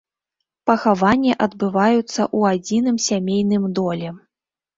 Пахаванні адбываюцца ў адзіным сямейным доле.